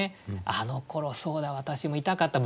あのころそうだ私も痛かった。